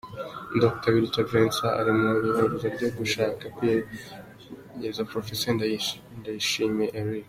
Dr. Biruta Vincent ari mu ihurizo ryo gushaka kwigizayo Professeur Ndayishimiye Eric